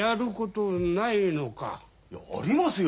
いやありますよ！